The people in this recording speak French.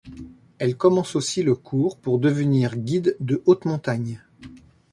Elle commence aussi le cours pour devenir guide de haute montagne.